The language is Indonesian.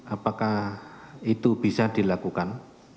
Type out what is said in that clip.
apakah itu bisa dilakukan